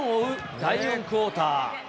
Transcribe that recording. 第４クオーター。